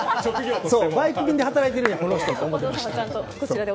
バイク便で働いているんやこの人と思ってる。